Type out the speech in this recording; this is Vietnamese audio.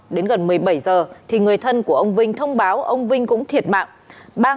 đến gần một mươi bảy giờ thì người thân của ông vinh thông báo ông vinh cũng thiệt mạng